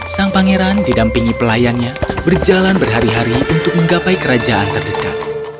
sang pangeran didampingi pelayannya berjalan berhari hari untuk menggapai kerajaan terdekat